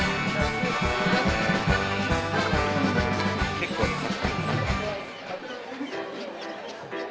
結構です。